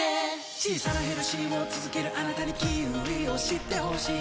小さなヘルシーを続けるあなたにキウイを知ってほしい